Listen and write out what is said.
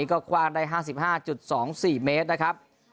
ก็คว่างได้๕๕๒๔เมตรนะครับ